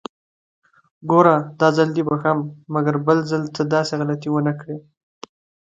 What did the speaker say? ګوره! داځل دې بښم، مګر بل ځل ته داسې غلطي ونکړې!